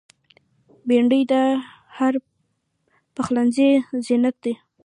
بېنډۍ د هر پخلنځي زینت ده